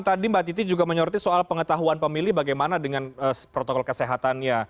tadi mbak titi juga menyoroti soal pengetahuan pemilih bagaimana dengan protokol kesehatannya